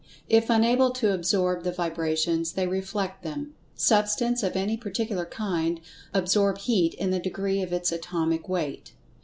If unable to "absorb" the vibrations, they "reflect" them. Substance, of any particular kind, absorb Heat in the degree of its atomic weight.